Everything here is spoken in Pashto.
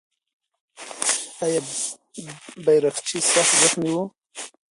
آیا بیرغچی سخت زخمي و؟